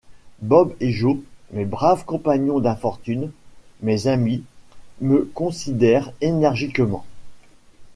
Bob et Joe, mes braves compagnons d’infortune, mes amis, me secondèrent énergiquement.